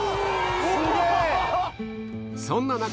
そんな